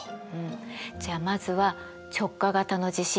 じゃあまずは直下型の地震